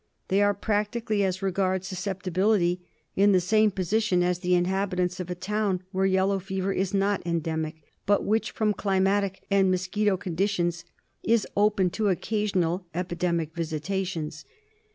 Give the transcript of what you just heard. They are practically, as regards susceptibility, in the same position as the inhabitants of a town where vellow fever is not endemic, but which from climatic and mosquito conditions is open to occasional epidemic visitations.